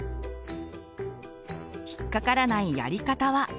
引っかからないやり方は。